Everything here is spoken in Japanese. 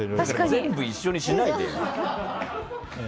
全部一緒にしなくても。